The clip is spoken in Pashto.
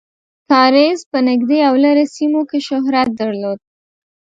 کاریز په نږدې او لرې سیمو کې شهرت درلود.